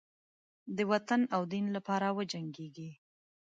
د وطن او دین لپاره وجنګیږي.